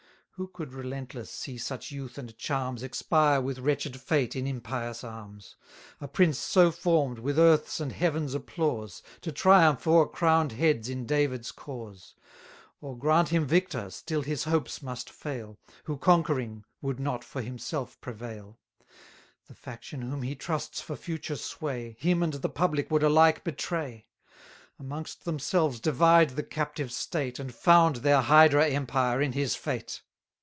Who could relentless see such youth and charms Expire with wretched fate in impious arms? A prince so form'd, with earth's and Heaven's applause, To triumph o'er crown'd heads in David's cause: 890 Or grant him victor, still his hopes must fail, Who, conquering, would not for himself prevail; The faction whom he trusts for future sway, Him and the public would alike betray; Amongst themselves divide the captive state, And found their hydra empire in his fate!